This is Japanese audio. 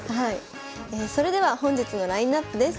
それでは本日のラインナップです。